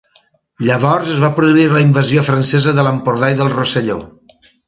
Llavors es va produir la invasió francesa de l’Empordà i del Rosselló.